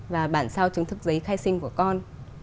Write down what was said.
và bản sao chứng thực giấy khai sinh của con